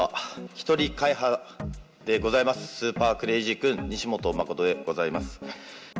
一人会派でございます、スーパークレイジー君、西本誠でございます。